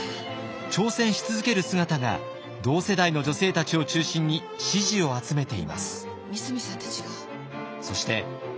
挑戦し続ける姿が同世代の女性たちを中心に支持を集めています。